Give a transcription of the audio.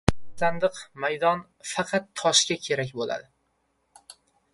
• Tashlandiq maydon faqat toshga kerak bo‘ladi.